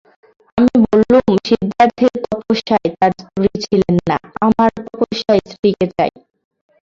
আমি বললুম, সিদ্ধার্থের তপস্যায় তাঁর স্ত্রী ছিলেন না, আমার তপস্যায় স্ত্রীকে চাই।